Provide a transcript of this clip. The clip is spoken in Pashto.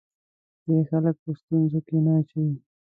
دی خلک په ستونزو کې نه اچوي.